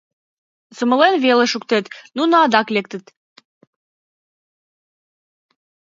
— Сомылен веле шуктет, нуно адак лектыт.